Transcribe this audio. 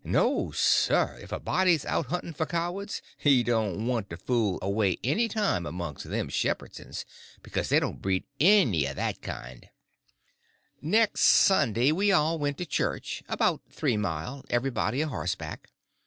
No, sir; if a body's out hunting for cowards he don't want to fool away any time amongst them Shepherdsons, becuz they don't breed any of that kind." Next Sunday we all went to church, about three mile, everybody a horseback.